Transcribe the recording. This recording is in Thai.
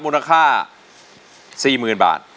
มูลค่า๔๐๐๐บาท